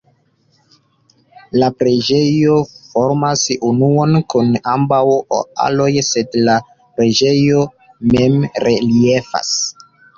La preĝejo formas unuon kun ambaŭ aloj, sed la preĝejo mem reliefas.